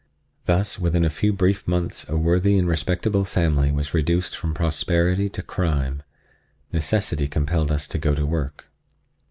Thus, within a few brief months a worthy and respectable family was reduced from prosperity to crime; necessity compelled us to go to work.